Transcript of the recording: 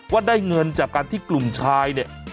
ว่าได้เงินจากการที่กลุ่มชายเนี่ย